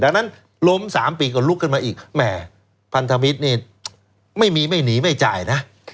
ดังนั้นล้ม๓ปีก็ลุกขึ้นมาอีกแหมพันธมิตรนี่ไม่มีไม่หนีไม่จ่ายนะ